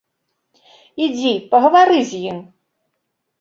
Ідзі, пагавары з ім.